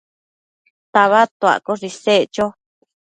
tabadtuaccoshe isec cho